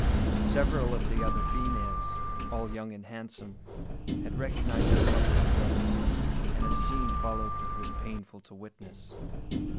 Several of the other females, all young and handsome, had recognised their lovers and brothers, and a scene followed that was painful to witness.